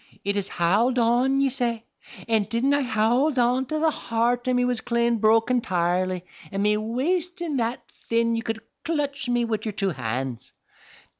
Is it howld on, ye say? An' didn't I howld on till the heart of me was clane broke entirely, and me wastin' that thin you could clutch me wid yer two hands!